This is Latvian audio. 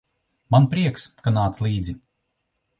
Man prieks, ka nāc līdzi.